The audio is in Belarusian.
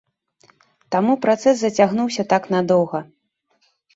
Таму працэс зацягнуўся так надоўга.